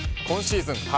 今シーズン